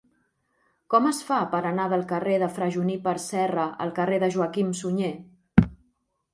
Com es fa per anar del carrer de Fra Juníper Serra al carrer de Joaquim Sunyer?